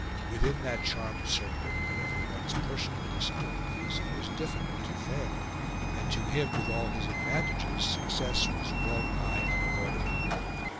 Within that charmed circle, whatever one's personal disabilities, it was difficult to fail; and to him, with all his advantages, success was well nigh unavoidable.